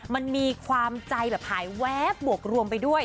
มันมีความใจแบบหายแวบบวกรวมไปด้วย